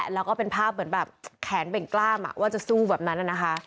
แล้วก็เป็นภาพเหมือนแบบแขนเบ่งกล้ามว่าจะสู้แบบนั้นนะคะ